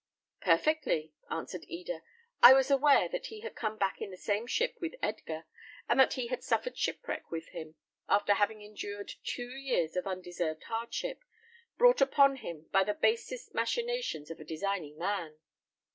"Perfectly," answered Eda. "I was aware that he had come back in the same ship with Edgar, and that he had suffered shipwreck with him, after having endured two years of undeserved hardship, brought upon him by the basest machinations of a designing man."